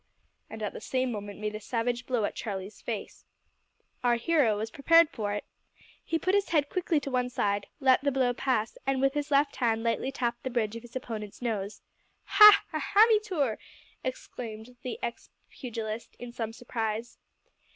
and at the same moment made a savage blow at Charlie's face. Our hero was prepared for it. He put his head quickly to one side, let the blow pass, and with his left hand lightly tapped the bridge of his opponent's nose. "Hah! a hammytoor!" exclaimed the ex pugilist in some surprise.